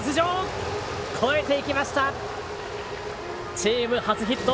チーム初ヒット。